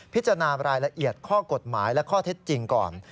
พิจารณารายละเอียดข้อกฎหมายและข้อเท็จจริงก่อน